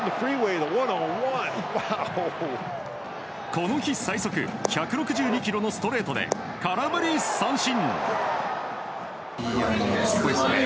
この日最速１６２キロのストレートで空振り三振。